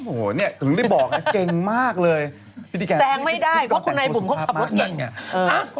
โอ้โหถึงได้บอกเก่งมากเลยแซงไม่ได้เพราะคุณนายบุ๋มเขาขับรถอย่างนั้น